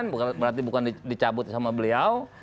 berarti bukan dicabut sama beliau